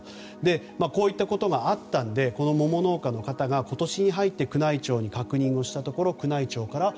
こういったことがあったのでこの桃農家の方が、今年に入って宮内庁に確認したところ宮内庁からは